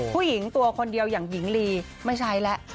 ผู้หญิงตัวคนเดียวอย่างหญิงลีไม่ใช้แล้ว